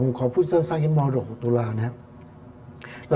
ผมขอพูดสร้างให้มารกษ์หกตัวลานะครับ